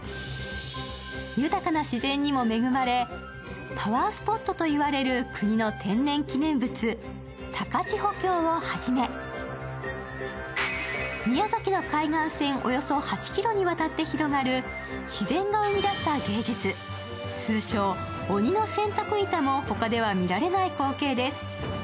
豊かな自然にも恵まれ、パワースポットとも言われる国の天然記念物、高千穂峡をはじめ宮崎の海岸線およそ８ｋｍにわたって広がる自然が生み出した芸術、通称、鬼の洗濯板も他では見られない光景です。